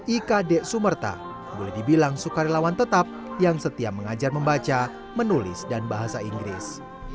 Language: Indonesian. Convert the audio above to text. ika dek sumerta boleh dibilang sukarelawan tetap yang setia mengajar membaca menulis dan bahasa inggris